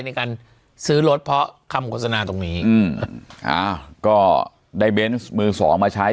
ในการซื้อรถเพราะคำโฆษณาตรงนี้อืมอ่าก็ได้เบนส์มือสองมาใช้